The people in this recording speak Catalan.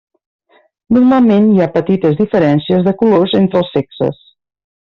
Normalment hi ha petites diferències de colors entre els sexes.